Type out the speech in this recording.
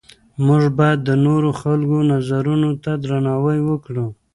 موږ باید د نورو خلکو نظرونو ته درناوی وکړو.